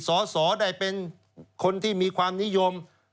สอสอได้เป็นคนที่มีความนิยม